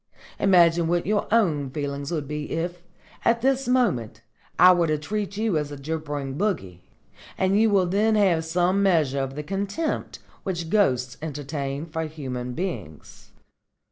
Imagine what your own feelings would be if, at this moment, I were to treat you as a gibbering bogey, and you will then have some measure of the contempt which ghosts entertain for human beings."